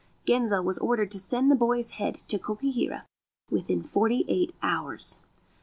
Genzo was ordered to send the boy's head to Tokihira within forty eight hours.